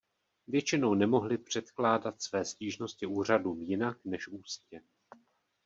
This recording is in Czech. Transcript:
Většinou nemohli předkládat své stížnosti úřadům jinak než ústně.